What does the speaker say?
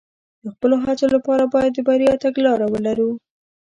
د خپلو هڅو لپاره باید د بریا تګلاره ولرو.